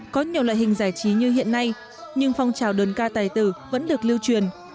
có nhiều loại hình giải trí như hiện nay nhưng phong trào đơn ca tài tử vẫn được lưu truyền